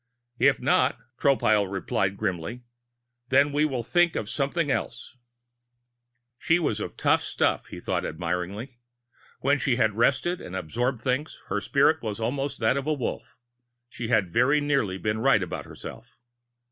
"If not," Tropile replied grimly, "then we will think of something else." She was of tough stuff, he thought admiringly. When she had rested and absorbed things, her spirit was almost that of a Wolf; she had very nearly been right about herself.